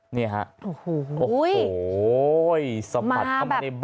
นี่ครับ